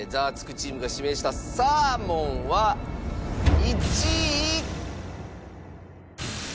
チームが指名したサーモンは１位。